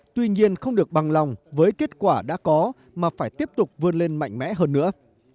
tuy nhiên không được bằng lòng với kết quả đã có mà phải tiếp tục vươn lên mạnh mẽ hơn nữa